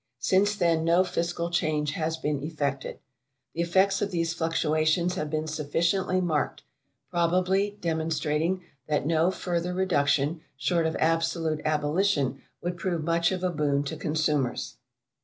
Since then no fiscal change has been effected. The effects of these fluctuations have been sufficiently marked, probably demonstrating that no further reduction, short of absolute abolition, would prove much of a boon to consumers.